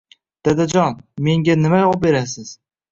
Dadajon, menga, nima oberasiz?